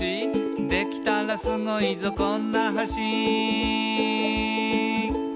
「できたらスゴいぞこんな橋」